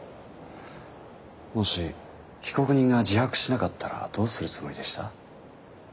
もし被告人が自白しなかったらどうするつもりでした？